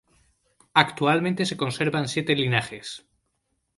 Actualmente se conservan siete linajes..